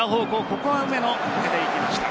ここは梅野抜けていきました。